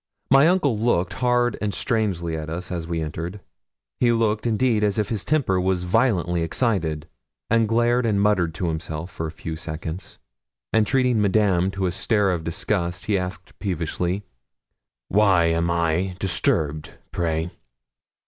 My uncle looked hard and strangely at us as we entered. He looked, indeed, as if his temper was violently excited, and glared and muttered to himself for a few seconds; and treating Madame to a stare of disgust, he asked peevishly 'Why am I disturbed, pray?'